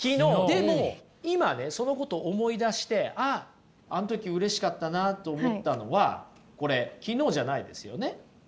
でも今ねそのこと思い出してあああん時うれしかったなと思ったのはこれ昨日じゃないですよね？